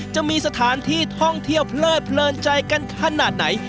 จะมีสถานที่ท่องเที่ยวเพลิดเพลินใจกันขนาดไหน